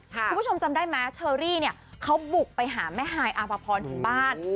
คุณผู้ชมจำได้ไหมเชอรี่เนี่ยเขาบุกไปหาแม่ฮายอาภพรถึงบ้าน